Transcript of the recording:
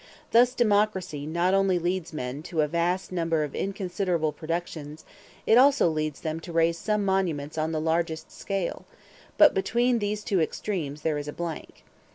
Thus democracy not only leads men to a vast number of inconsiderable productions; it also leads them to raise some monuments on the largest scale: but between these two extremes there is a blank.